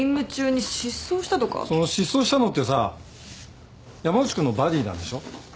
その失踪したのってさ山内君のバディなんでしょ？